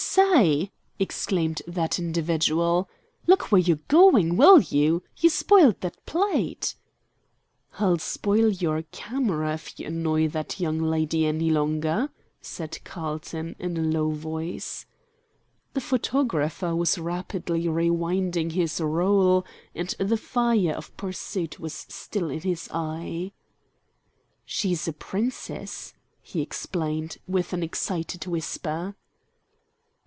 "Say," exclaimed that individual, "look where you're going, will you? You spoiled that plate." "I'll spoil your camera if you annoy that young lady any longer," said Carlton, in a low voice. The photographer was rapidly rewinding his roll, and the fire of pursuit was still in his eye. "She's a Princess," he explained, in an excited whisper.